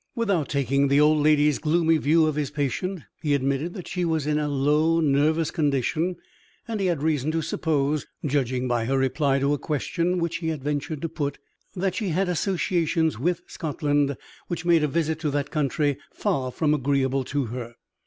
Without taking the old lady's gloomy view of his patient, he admitted that she was in a low nervous condition, and he had reason to suppose, judging by her reply to a question which he had ventured to put, that she had associations with Scotland which made a visit to that country far from agreeable to her.